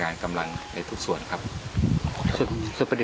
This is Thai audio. ตอนนี้เรารู้ตัวคนร้ายใช่ไหมรู้ตัวคนร้ายครับครับผมตอนนี้สกัดขั้นหลายหลายหลายจุดเลยครับ